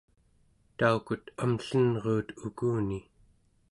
taukut amllenruut ukuni